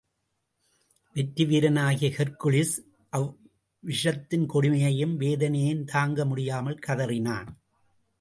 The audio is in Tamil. வெற்றி வீரனாகிய ஹெர்க்குலிஸ் அவ்விஷத்தின் கொடுமையையும், வேதனையையும் தாங்க முடியாமல் கதறினான்.